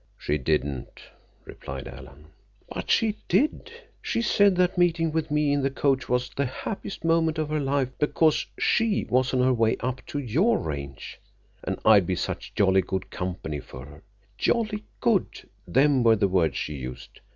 "She didn't," replied Alan. "But she did. She said that meeting with me in the coach was the happiest moment of her life, because she was on her way up to your range, and I'd be such jolly good company for her. 'Jolly good'—them were the words she used!